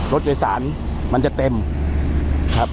รถโดยสารมันจะเต็มครับ